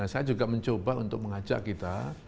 saya juga mencoba untuk mengajak kita